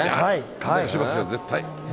感動しますよ、絶対。